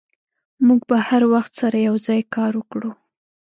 موږ به هر وخت سره یوځای کار وکړو.